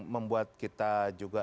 membuat kita juga